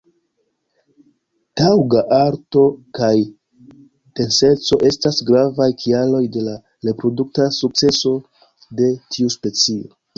Taŭga alto kaj denseco estas gravaj kialoj de la reprodukta sukceso de tiu specio.